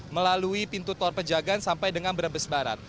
melalui pintu tol pejagan sampai dengan brebes barat